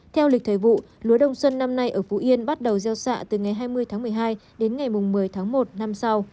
theo lịch thời vụ lúa đông xuân năm nay ở phú yên bắt đầu gieo xạ từ ngày hai mươi tháng một mươi hai đến ngày một mươi tháng một năm sau